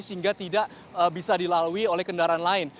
sehingga tidak bisa dilalui oleh kendaraan lain